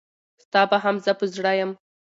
ستا به هم زه په زړه یم.